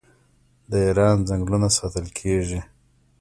د ایران ځنګلونه ساتل کیږي.